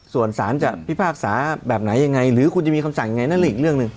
ส่วนสารจะพิพากษาแบบไหนยังไงหรือคุณจะมีคำสั่งยังไงนั่นแหละอีกเรื่องหนึ่ง